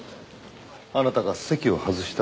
あなたが席を外した